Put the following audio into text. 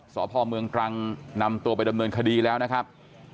สพเมืองตรังนำตัวไปดำเนินคดีแล้วนะครับ